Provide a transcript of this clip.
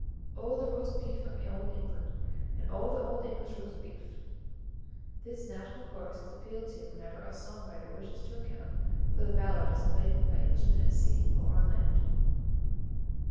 "O the roast beef of old England, And O the old English roast beef." This national chorus is appealed to whenever a song writer wishes to account for the valour displayed by Englishmen at sea or on land.